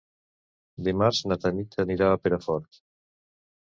Dimarts na Tanit anirà a Perafort.